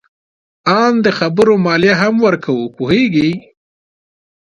آن د خبرو مالیه هم ورکوو. پوهیږې؟